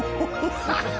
ハハハハ！